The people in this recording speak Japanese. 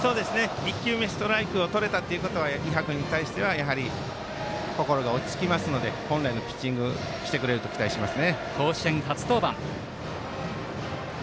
１球目ストライクをとれたということは伊波君にとっては心が落ち着きますので本来のピッチングをしてくれると思います。